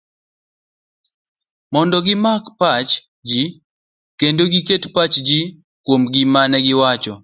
mondo gimak pach ji, kendo giket pachgi kuom gima negiwacho